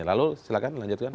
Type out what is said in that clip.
lalu silakan lanjutkan